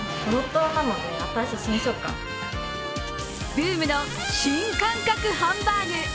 ブームの新感覚ハンバーグ